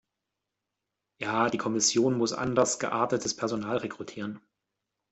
Ja, die Kommission muss andersgeartetes Personal rekrutieren.